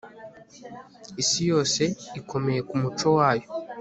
Isi yose ikomeye ku muco wayo